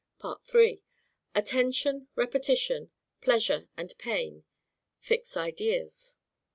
3. Attention, Repetition, Pleasure and Pain, fix Ideas.